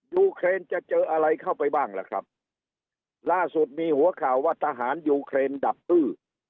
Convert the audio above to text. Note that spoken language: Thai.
ยูเครนจะเจออะไรเข้าไปบ้างล่ะครับล่าสุดมีหัวข่าวว่าทหารยูเครนดับอื้อ